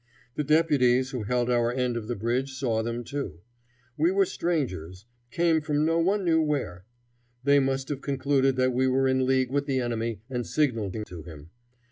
The deputies who held our end of the bridge saw them too. We were strangers; came from no one knew where. They must have concluded that we were in league with the enemy and signalling to him.